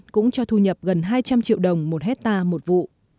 cũng cho thu nhập gần hai trăm linh triệu đồng một hectare một vụ